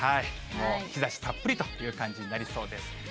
もう日ざしたっぷりという感じになりそうです。